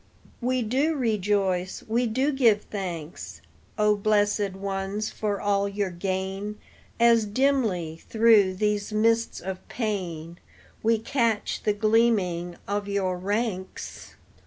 We do rejoice, we do give thanks, O blessed ones, for all your gain, As dimly through these mists of pain We catch the gleaming of your ranks.